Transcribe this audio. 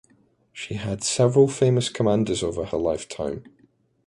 She had several famous commanders over her lifetime.